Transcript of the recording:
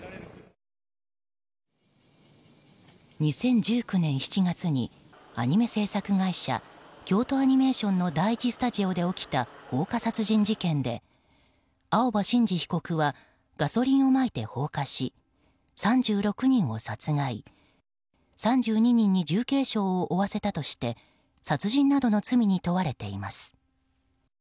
２０１９年７月にアニメ制作会社京都アニメーションの第１スタジオで起きた放火殺人事件で青葉真司被告はガソリンをまいて放火し３６人を殺害３２人に重軽傷を負わせたとして殺人などの罪に問われています。